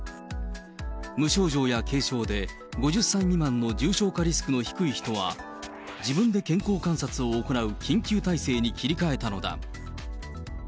無症状や軽症で、５０歳未満の重症化リスクの低い人は、自分で健康観察を行う緊急体制に切り替えたのだ。